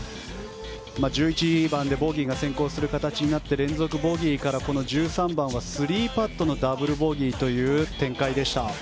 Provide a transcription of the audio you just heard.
１１番でボギーが先行する形になって連続ボギーから１３番は３パットのダブルボギーの展開。